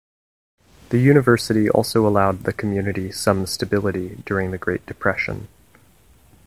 The university also allowed the community some stability during the Great Depression.